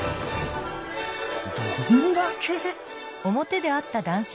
どんだけ！？